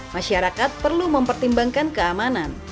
masyarakat perlu mempertimbangkan keamanan